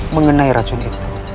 mengenai racun itu